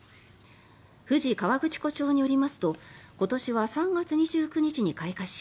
富士河口湖町によりますと今年は３月２９日に開花し